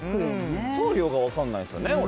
送料が分かんないですよね、俺。